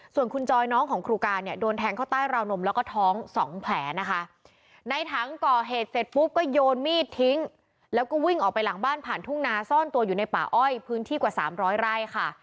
ส่วนคุณจอยน้องของครูการเนี่ยโดนแทงเข้าใต้ราวนมแล้วก็ท้องสองแผลนะคะในถังก่อเหตุเสร็จปุ๊บก็โยนมีดทิ้งแล้วก็วิ่งออกไปหลังบ้านผ่านทุ่งนาซ่อนตัวอยู่ในป่าอ้อยพื้นที่กว่าสามร้อยไร่ค่ะ